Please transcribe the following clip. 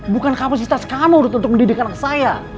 bukan kapasitas kamu untuk mendidik anak saya